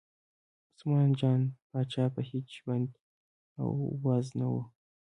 عثمان جان پاچا په هېڅ شي بند او واز نه و.